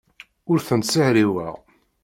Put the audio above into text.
Ur tent-ssihriweɣ.